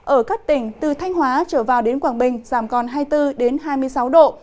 ở các tỉnh từ thanh hóa trở vào đến quảng bình giảm còn hai mươi bốn hai mươi sáu độ